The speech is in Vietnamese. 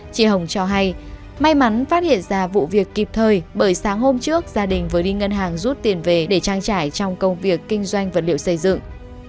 chị hồng cho hay may mắn phát hiện ra vụ việc kịp thời bởi sáng hôm trước gia đình vừa đi ngân hàng rút tiền về để trang trải trong công việc kinh doanh vật liệu xây dựng